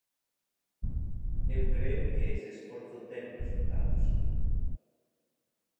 Eu creo que ese esforzo ten resultados.